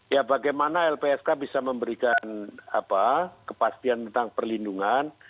ya bagaimana lpsk bisa memberikan kepastian tentang perlindungan